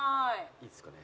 いいですかね？